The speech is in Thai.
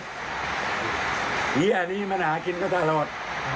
ปี๔๗เหี้ยนี้มันหากินก็ตลอด